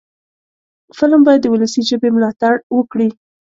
فلم باید د ولسي ژبې ملاتړ وکړي